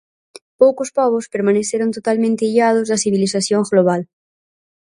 Poucos pobos permaneceron totalmente illados da civilización global.